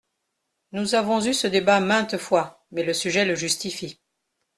Nous avons eu ce débat maintes fois, mais le sujet le justifie.